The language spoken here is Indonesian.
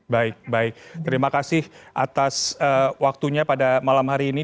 baik baik terima kasih atas waktunya pada malam hari ini